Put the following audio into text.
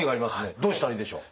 どうしたらいいでしょう？